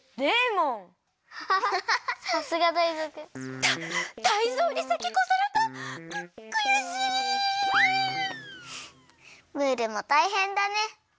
ムールもたいへんだね。